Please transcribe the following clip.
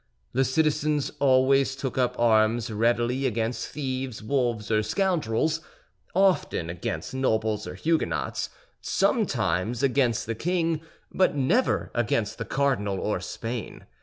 The citizens always took up arms readily against thieves, wolves or scoundrels, often against nobles or Huguenots, sometimes against the king, but never against the cardinal or Spain.